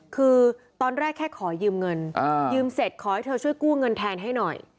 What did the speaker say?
คือตอนแรกแค่ขอยืมเงินยืมเสร็จขอให้เธอช่วยกู้เงินแทนให้หน่อย